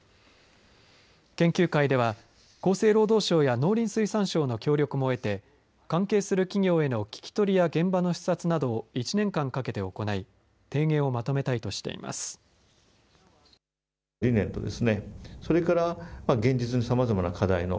研究会では厚生労働省や農林水産省の協力も得て関係する企業への聞き取りや現場の視察など１年間かけて行い提言をまとめたいとしています。